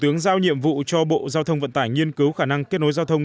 và đang giao nhiệm vụ cho bộ giao thông vận tải nghiên cứu khả năng kết nối giao thông